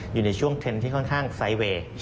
อยู่ในช่วงเทรนด์ที่ค่อนข้างไซสเวย์